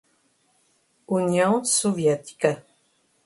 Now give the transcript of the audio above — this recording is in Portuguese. União Soviética